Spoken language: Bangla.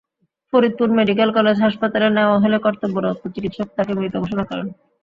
ফরিদপুর মেডিকেল কলেজ হাসপাতালে নেওয়া হলে কর্তব্যরত চিকিৎসক তাকে মৃত ঘোষণা করেন।